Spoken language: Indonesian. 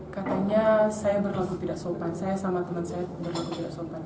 katanya saya berlaku tidak sopan saya sama teman saya berlaku tidak sopan